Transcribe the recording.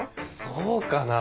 そうかな？